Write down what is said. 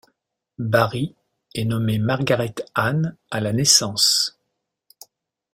Barry est nommé Margaret Ann à la naissance.